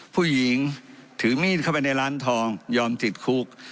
ผู้หญิงถือมีดเข้าไปในร้านทองยอมติดคุก